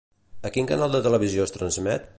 A quin canal de televisió es transmet?